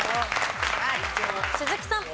鈴木さん。